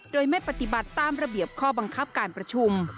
โดยไม่ปฏิบัติตามระเบียบข้อบังคับการประชุม